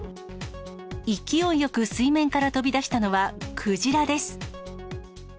勢いよく水面から飛び出したのはクジラです。